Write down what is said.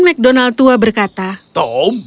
mcdonald tua berkata tom